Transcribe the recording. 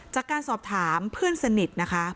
จากการสอบถามเพื่อนสนิทนะคะ